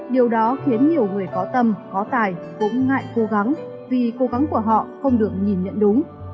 điều đó khiến nhiều người có tâm có tài cũng ngại cố gắng vì cố gắng của họ không được nhìn nhận đúng